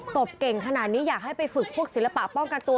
ตบเก่งขนาดนี้อยากให้ไปฝึกภูมิฝีป้องการตัว